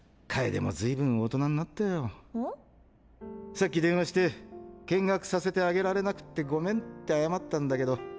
さっき電話して見学させてあげられなくってゴメンって謝ったんだけど。